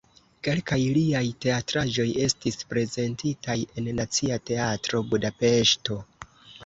Kelkaj liaj teatraĵoj estis prezentitaj en Nacia Teatro (Budapeŝto).